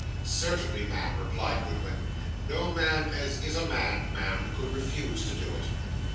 'Certainly, ma'am,' replied Goodwin. 'No man as is a man, ma'am, could refuse to do it.